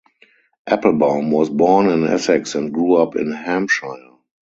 Applebaum was born in Essex and grew up in Hampshire.